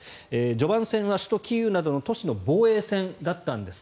序盤戦は首都キーウなどの都市の防衛戦だったんです。